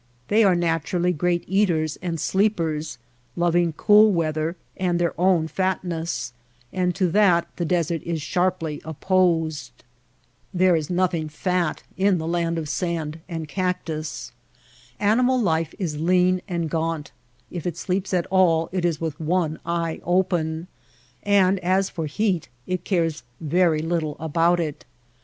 They are naturally great eaters and sleepers, loving cool weather and their own fatness ; and to that the desert is sharply opposed. There is nothing DESERT ANIMALS 156 fat in the land of sand and cactus. Animal life is lean and gaunt ; if it sleeps at all it is with one eye open ; and as for heat it cares very lit tle about it.